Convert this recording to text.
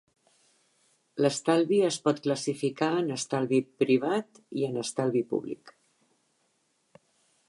L'estalvi es pot classificar en estalvi privat i en estalvi públic.